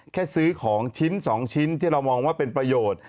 ซื้อของชิ้น๒ชิ้นที่เรามองว่าเป็นประโยชน์